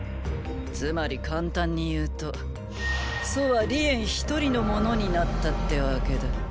つまり簡単に言うと楚は李園一人のものになったってわけだ。